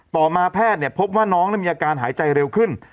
ต่อมาแพทย์พบว่าน้องมีอาการหายใจเร็วขึ้น